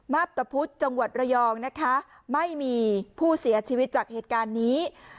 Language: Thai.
มาพตะพุธจังหวัดระยองนะคะไม่มีผู้เสียชีวิตจากเหตุการณ์นี้